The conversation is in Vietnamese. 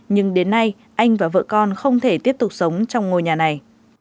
nhưng đến nay anh và vợ con không thể tiếp tục sống trong ngôi nhà này